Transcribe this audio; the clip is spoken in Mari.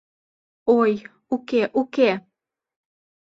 — Ой, уке, уке!